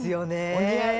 お似合い！